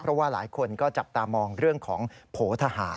เพราะว่าหลายคนก็จับตามองเรื่องของโผทหาร